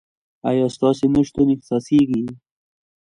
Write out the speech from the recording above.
ایا ستاسو نشتون احساسیږي؟